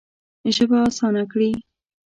ژبه اسانه کړې.